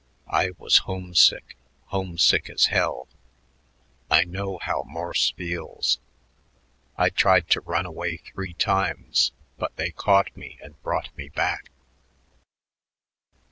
I was homesick, homesick as hell. I know how Morse feels. I tried to run away three times, but they caught me and brought me back.